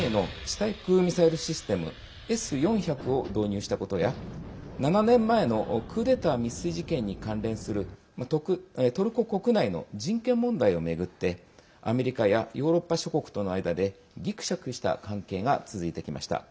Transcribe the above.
対空ミサイルシステム「Ｓ‐４００」を導入したことや７年前のクーデター未遂事件に関連するトルコ国内の人権問題を巡ってアメリカやヨーロッパ諸国との間でぎくしゃくした関係が続いてきました。